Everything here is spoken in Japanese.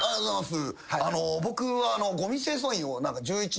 僕は。